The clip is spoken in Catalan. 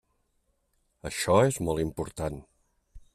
Això és molt important.